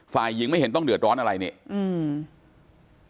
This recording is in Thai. ฝ่ายหญิงไม่เห็นต้องเดือดร้อนอะไรนี่อืม